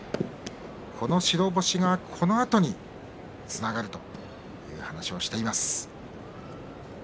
この白星が、このあとにつながるといいということを言っています。